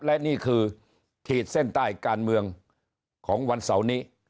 และนี่คือขีดเส้นใต้การเมืองของวันเสาร์นี้